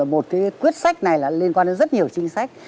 một cái quyết sách này là liên quan đến rất nhiều chính sách